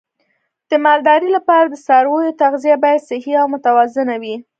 د مالدارۍ لپاره د څارویو تغذیه باید صحي او متوازنه وي.